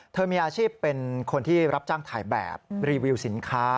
มีอาชีพเป็นคนที่รับจ้างถ่ายแบบรีวิวสินค้า